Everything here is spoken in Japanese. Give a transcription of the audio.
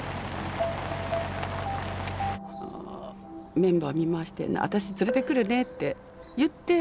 メンバー見回して「私連れてくるね」って言って。